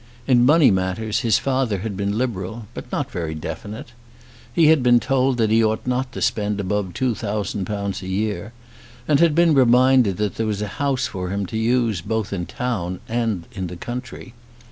In money matters his father had been liberal, but not very definite. He had been told that he ought not to spend above two thousand pounds a year, and had been reminded that there was a house for him to use both in town and in the country.